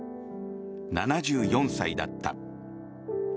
７４歳だった。